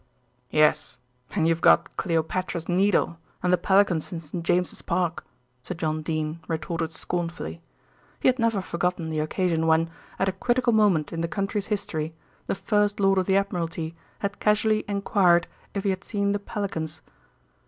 "Yes, and you've got Cleopatra's Needle, and the pelicans in St. James's Park," Sir John Dene retorted scornfully. He had never forgotten the occasion when, at a critical moment in the country's history, the First Lord of the Admiralty had casually enquired if he had seen the pelicans.